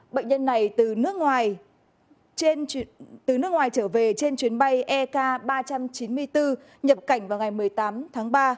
bệnh nhân này từ nước ngoài trở về trên chuyến bay ek ba trăm chín mươi bốn nhập cảnh vào ngày một mươi tám tháng ba